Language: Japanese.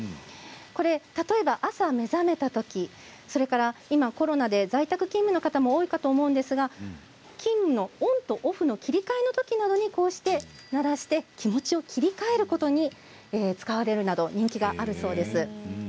例えば、朝目覚めた時それから今コロナで在宅勤務の方も多いかと思いますが勤務のオンとオフの切り替えの時などにこのように鳴らして気持ちを切り替えることに使われるなど人気があるそうです。